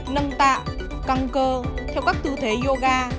nâng tạ căng cơ theo các tư thế yoga